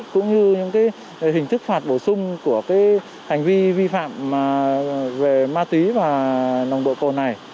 cũng như những hình thức phạt bổ sung của hành vi vi phạm về ma túy và nồng độ cồn này